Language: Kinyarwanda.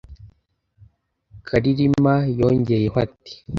Karirima yongeyeho ati